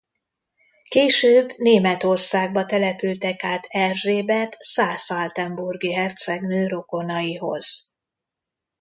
Később Németországba települtek át Erzsébet szász–altenburgi hercegnő rokonaihoz.